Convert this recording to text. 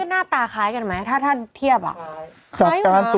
น่าตาคล้ายกันไหมถ้าเทียบอ่ะ